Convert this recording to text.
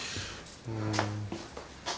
うん。